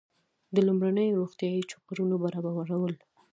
د لومړنیو روغتیایي چوپړونو برابرول.